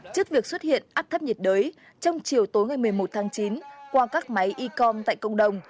trước việc xuất hiện áp thấp nhiệt đới trong chiều tối ngày một mươi một tháng chín qua các máy ecom tại cộng đồng